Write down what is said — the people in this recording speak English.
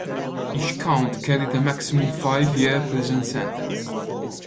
Each count carried a maximum five-year prison sentence.